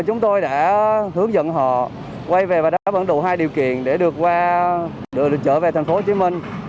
chúng tôi đã hướng dẫn họ quay về và đáp ứng đủ hai điều kiện để được qua đường trở về thành phố hồ chí minh